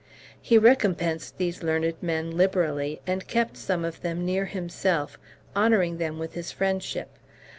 He recompensed these learned men liberally, and kept some of them near himself, honoring them with his friendship.